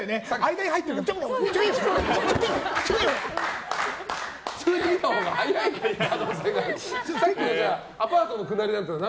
間に入ってるから。